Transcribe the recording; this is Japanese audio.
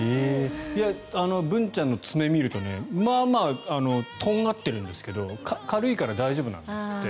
ブンちゃんの爪を見るとまあまあとんがってるんですけど軽いから大丈夫なんですって。